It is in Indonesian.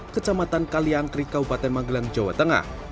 kecamatan kalian kerikaupaten magelang jawa tengah